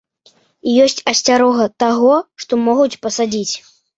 І ёсць асцярога таго, што могуць пасадзіць.